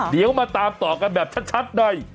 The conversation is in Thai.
เดี๋ยวมาตามต่อกันแบบชัดใน